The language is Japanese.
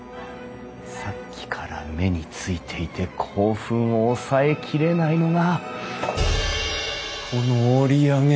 さっきから目に付いていて興奮を抑えきれないのがこの折り上げ